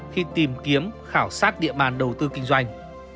khi tìm kiếm khảo sát địa bàn đầu tư kinh doanh